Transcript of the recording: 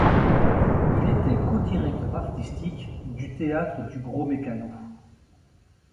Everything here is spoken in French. Il était co-directeur artistique du Théâtre du Gros Mécano.